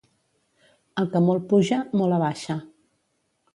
El que molt puja, molt abaixa.